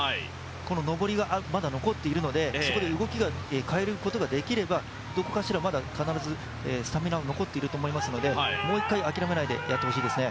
この上りがまだ残っているのでそこで動きを変えることができればどこかしら、まだ必ずスタミナは残っいると思いますので思いますので、もう一回、諦めないでやってほしいですね。